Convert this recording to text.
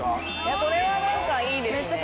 これは何かいいですね。